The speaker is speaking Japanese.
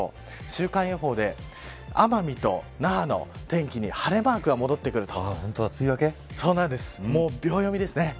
週間予報で奄美と那覇の天気に晴れマークが戻ってくると。